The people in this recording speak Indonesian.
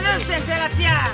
terus yang telat siap